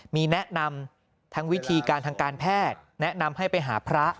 มีแนะนำทั้งวิธีการทางการแพทย์แนะนำให้ไปหาพระ